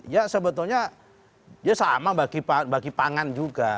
ya sebetulnya ya sama bagi pangan juga